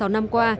sáu năm qua